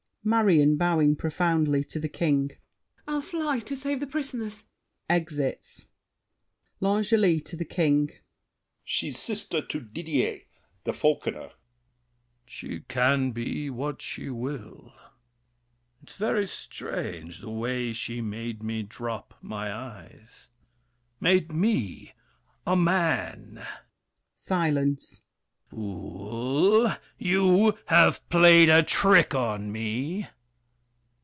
MARION (bowing profoundly to The King). I'll fly to save the prisoners! [Exits. L'ANGELY (to The King). She's sister to Didier, the falconer. THE KING. She can be what she will. It's very strange, The way she made me drop my eyes! Made me, A man— [Silence. Fool, you have played a trick on me!